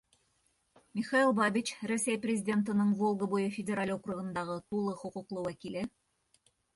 Михаил БАБИЧ, Рәсәй Президентының Волга буйы федераль округындағы Тулы хоҡуҡлы вәкиле: